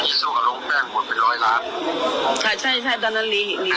ที่สู้กับลงแอฟบวกเป็นร้อยล้านใช่ใช่ใช่ตอนนั้นลีลี่